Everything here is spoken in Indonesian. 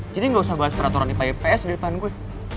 jadi gak usah bahas peraturan ipa ips di depan gue